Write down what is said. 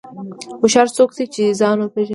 هوښیار څوک دی چې ځان وپېژني.